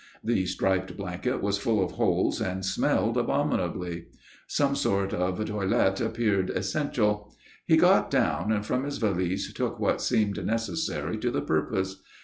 The striped blanket was full of holes and smelled abominably. Some sort of toilet appeared essential. He got down and from his valise took what seemed necessary to the purpose.